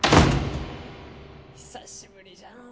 久しぶりじゃのう。